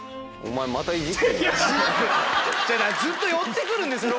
ずっと寄って来るんです６